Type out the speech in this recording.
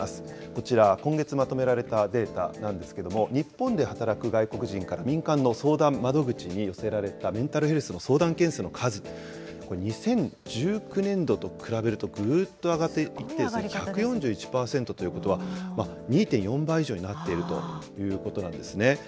こちら、今月まとめられたデータなんですけれども、日本で働く外国人から民間の相談窓口に寄せられたメンタルヘルスの相談件数の数、これ、２０１９年度と比べると、ぐーっと上がっていって、１４１％ということは、２．４倍以上になっているということなんですね。